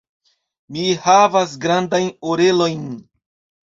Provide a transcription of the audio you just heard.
Mi havas grandajn orelojn.